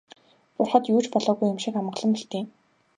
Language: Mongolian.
Бурхад юу ч болоогүй юм шиг амгалан мэлтийнэ.